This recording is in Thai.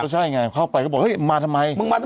ใช่ไงเข้าไปก็บอกเฮ้ยมาทำไม